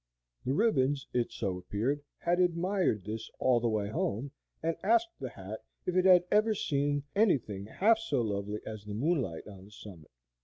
The ribbons, it so appeared, had admired this all the way home, and asked the hat if it had ever seen anything half so lovely as the moonlight on the summit.